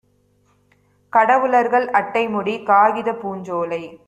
கடவுளர்கள், அட்டைமுடி, காகிதப் பூஞ்சோலை